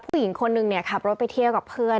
ผู้หญิงคนนึงเนี่ยขับรถไปเที่ยวกับเพื่อน